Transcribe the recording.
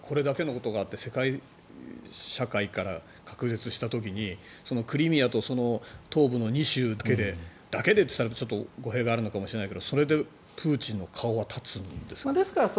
これだけのことがあって世界から孤立した時にクリミアと東部の２州だけで２州だけと言ったら語弊があるかもしれないけどそれでプーチンの顔は立つんですか？